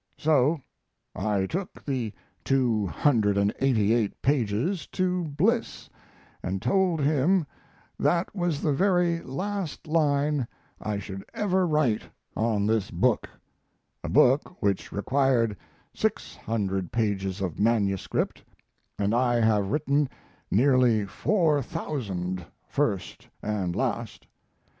So I took the 288 pages to Bliss and told him that was the very last line I should ever write on this book (a book which required 600 pages of MS., and I have written nearly four thousand, first and last).